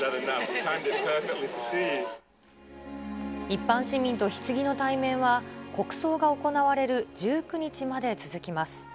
一般市民とひつぎの対面は、国葬が行われる１９日まで続きます。